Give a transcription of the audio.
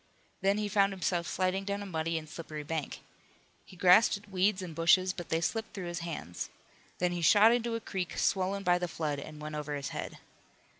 Then he found himself sliding down a muddy and slippery bank. He grasped at weeds and bushes, but they slipped through his hands. Then he shot into a creek, swollen by the flood, and went over his head.